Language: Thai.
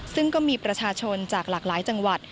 ซึ่งก็มีประชาชนจากหลากหลายจังหวัด